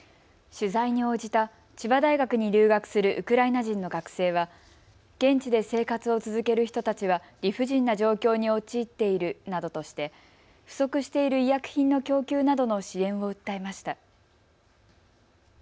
取材に応じた千葉大学に留学するウクライナ人の学生は現地で生活を続ける人たちは理不尽な状況に陥っているなどとして不足している医薬品の供給などの支援を訴えました。